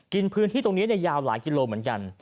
กินพื้นที่ตรงนี้ยาวหลายกิโลเหมือนกัน